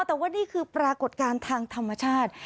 แต่ว่านี่คือปรากฏการณ์ทางธรรมชาติ